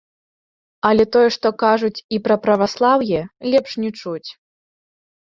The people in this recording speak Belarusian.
Але тое што кажуць і пра праваслаўе, лепш не чуць.